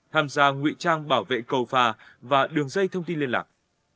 tham gia ngụy trang bảo vệ cầu phà và đường dây thông tin liên lạc